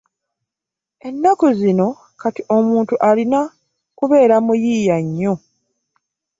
Ennaku zino kati omuntu alina kubeera muyiiya nnyo.